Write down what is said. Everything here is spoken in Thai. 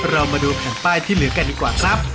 เรามาดูแผ่นป้ายที่เหลือกันดีกว่าครับ